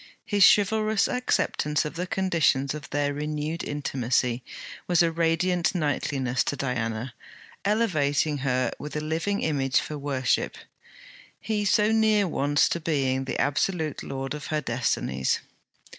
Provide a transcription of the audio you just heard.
His chivalrous acceptance of the conditions of their renewed intimacy was a radiant knightliness to Diana, elevating her with a living image for worship: he so near once to being the absolute lord of her destinies!